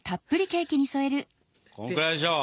こんくらいでしょう。